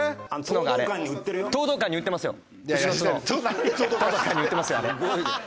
闘道館に売ってますよあれ。